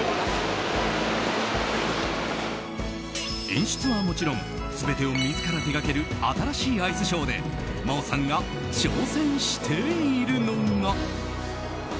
演出はもちろん全てを自ら手掛ける新しいアイスショーで真央さんが挑戦しているのが。